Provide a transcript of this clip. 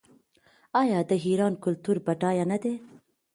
آیا د ایران کلتور بډایه نه دی؟